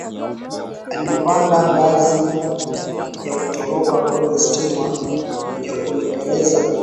alipanda ngazi ya kutoroka kwenye stima ya uingereza